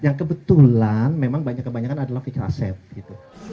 yang kebetulan memang kebanyakan adalah fixed asset